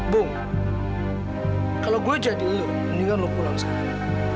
bung kalau gue jadi lu ini kan lo pulang sekarang